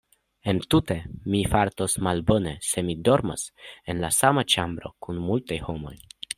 Entute mi fartos malbone se mi dormas en la sama ĉambro kun multaj homoj.